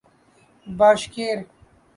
Bashkir